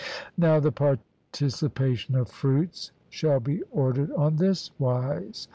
Now the participation of fruits shall be ordered on this wise.